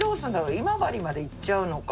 今治まで行っちゃうのか。